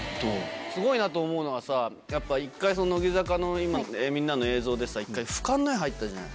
すごいなと思うのがさ、やっぱ一回、乃木坂の今のみんなの映像で、ふかんの絵、入ったじゃん。